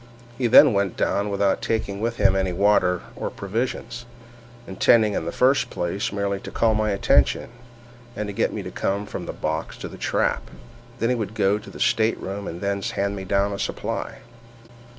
He then went down without taking with him any water or provisions, intending in the first place merely to call my attention, and get me to come from the box to the trap,—when he would go up to the stateroom and thence hand me down a supply.